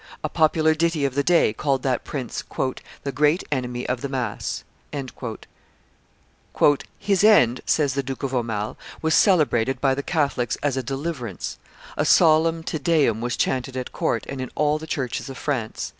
A popular ditty of the day called that prince "the great enemy of the mass." "His end," says the Duke of Aumale, "was celebrated by the Catholics as a deliverance; a solemn Te Deum was chanted at court and in all the churches of France.